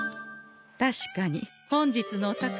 確かに本日のお宝